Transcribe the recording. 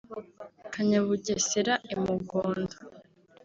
Kanyabugesera I Mugondo